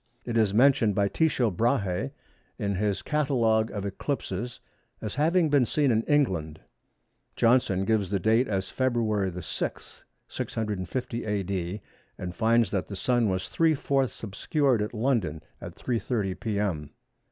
It is mentioned by Tycho Brahe in his catalogue of eclipses as having been seen in England. Johnson gives the date as February 6, 650 A.D., and finds that the Sun was three fourths obscured at London at 3.30 p.m.